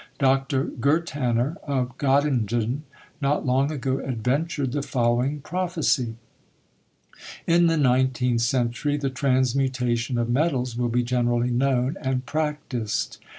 Dr. Girtanner, of Gottingen, not long ago adventured the following prophecy: "In the nineteenth century the transmutation of metals will be generally known and practised.